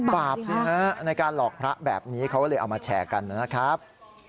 บาปสิฮะในการหลอกพระแบบนี้เขาก็เลยเอามาแชร์กันนะครับ